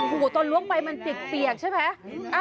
โอ้โหตอนล้วงไปมันจิกเปียกใช่ไหม